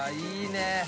いいねえ